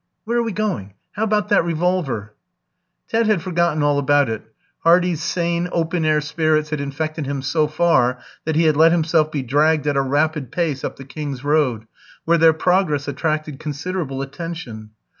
Where are we going? How about that revolver?" Ted had forgotten all about it. Hardy's sane, open air spirits had infected him so far that he had let himself be dragged at a rapid pace up the King's Road, where their progress attracted considerable attention.